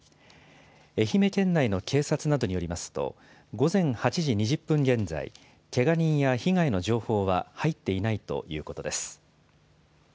愛媛県内の警察などによりますと、午前８時２０分現在、けが人や被害の情報は入っていないということです。